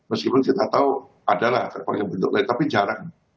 meskipun kita tahu adalah tapi jarang